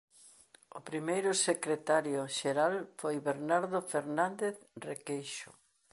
O primeiro secretario xeral foi Bernardo Fernández Requeixo.